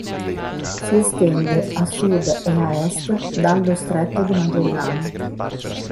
Si estende a sud e a est dallo Stretto di Magellano.